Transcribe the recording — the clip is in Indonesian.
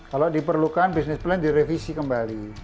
kalau diperlukan bisnis plan direvisi kembali